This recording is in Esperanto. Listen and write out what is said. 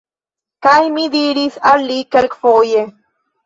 Kaj mi diris al li kelkfoje: